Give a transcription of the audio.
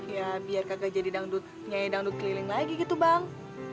ya biar kakak jadi nyanyi dangdut keliling lagi gitu bang